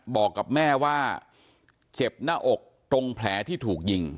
บอกกับแม่ว่าเจ็บหน้าอกตรงแผลที่ถูกยิง